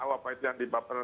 apa itu yang di baper